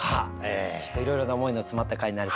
ちょっといろいろな思いの詰まった回になりそうで。